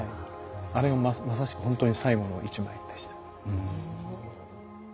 あれはまさしくほんとに最後の一枚でした。